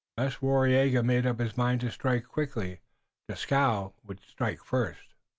Unless Waraiyageh made up his mind to strike quickly Dieskau would strike first.